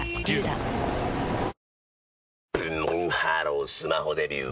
ブンブンハロースマホデビュー！